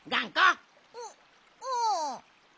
ううん。